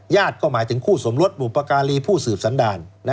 ก็หมายถึงคู่สมรสบุปการีผู้สืบสันดาร